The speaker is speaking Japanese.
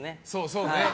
そうね。